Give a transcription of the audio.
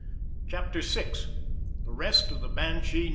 CHAPTER VI THE REST OF THE BANSHEE NO.